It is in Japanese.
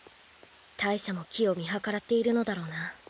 大社も機を見計らっているのだろうな。